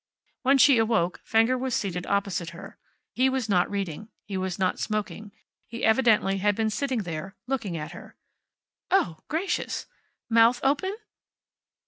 When she awoke Fenger was seated opposite her. He was not reading. He was not smoking. He evidently had been sitting there, looking at her. "Oh, gracious! Mouth open?"